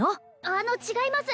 あの違います